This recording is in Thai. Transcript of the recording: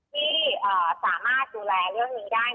ที่สามารถดูแลเรื่องนี้ได้